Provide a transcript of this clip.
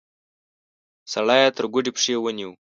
سړی يې تر ګوډې پښې ونيو.